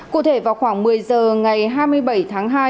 cụ thể vào khoảng một mươi h ngày hai mươi bảy tháng hai